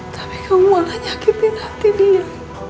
tapi kamu malah nyakipin hati dia